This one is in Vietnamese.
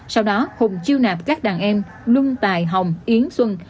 sau đó hùng chiêu nạp các đàn em nung tài hồng yến xuân